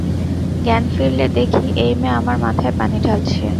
জ্ঞান ফিরলে দেখি এই মেয়ে আমার মাথায় পানি ঢালছে।